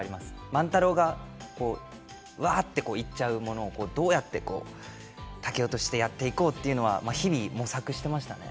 万太郎がこううわっていっちゃうものをどうやってこう竹雄としてやっていこうというのは日々模索してましたね。